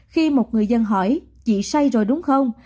khi một người dân hỏi chị say rồi đúng không